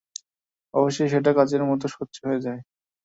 অবশেষে সেটা কাচের মত স্বচ্ছ হয়ে যায়।